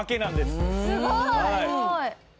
すごい！